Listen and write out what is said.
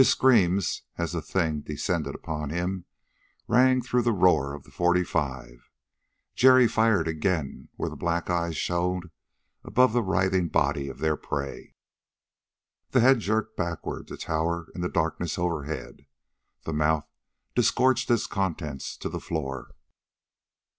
His screams, as the thing descended upon him, rang through the roar of the forty five. Jerry fired again where the black eyes showed above the writhing body of their prey. The head jerked backward, to tower in the darkness overhead. The mouth disgorged its contents to the floor.